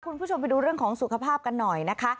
คุณผู้ชมไปดูเรื่องของสุขภาพกันหน่อยนะคะ